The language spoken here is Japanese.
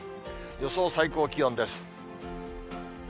予想最高気温です。